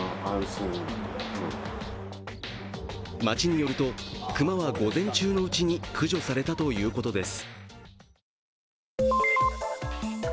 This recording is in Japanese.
町によると、熊は午前中のうちに駆除されたということです。